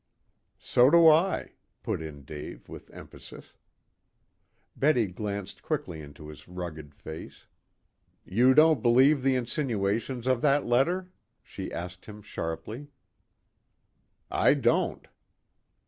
"So do I," put in Dave with emphasis. Betty glanced quickly into his rugged face. "You don't believe the insinuations of that letter?" she asked him sharply. "I don't."